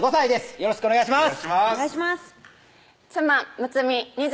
よろしくお願いします